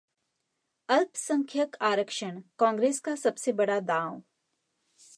अल्पसंख्यक आरक्षण, कांग्रेस का सबसे बड़ा दांव